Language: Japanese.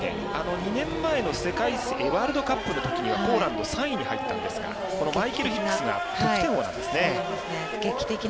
２年前のワールドカップのときにポーランド３位に入ったんですがマイケルが得点王なんですね。